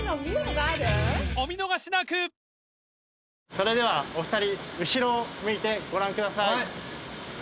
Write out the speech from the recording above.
それではお二人後ろを向いてご覧ください。